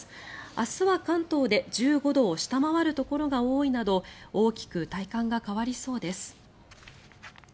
明日は関東で１５度を下回るところが多いなど大きく体感が変わりそうです。